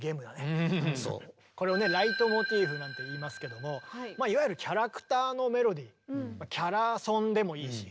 これをね「ライトモチーフ」なんていいますけどもまあいわゆるキャラクターのメロディーキャラソンでもいいし。